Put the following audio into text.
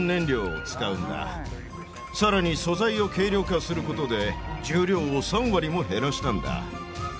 さらに素材を軽量化することで重量を３割も減らしたんだ。